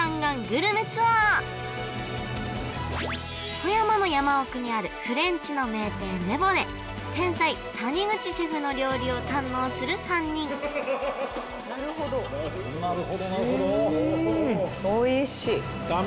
富山の山奥にあるフレンチの名店レヴォで天才谷口シェフの料理を堪能する３人なるほどなるほどなるほど